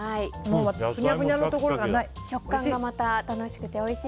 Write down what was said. ふにゃふにゃのところがなくておいしい。